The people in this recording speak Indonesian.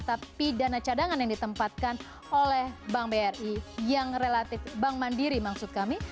tapi dana cadangan yang ditempatkan oleh bank bri yang relatif bank mandiri maksud kami